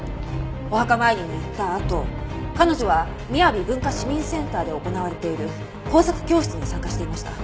お墓参りに行ったあと彼女はみやび文化市民センターで行われている工作教室に参加していました。